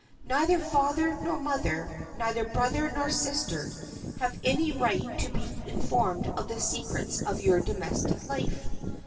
Neither father nor mother, neither brother nor sister, have any right to be informed of the secrets of your domestic life.